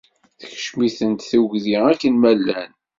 Tekcem-iten tegdi akken ma llan.